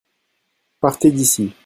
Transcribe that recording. Partez d'ici.